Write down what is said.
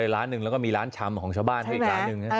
ร้านหนึ่งแล้วก็มีร้านชำของชาวบ้านให้อีกร้านหนึ่ง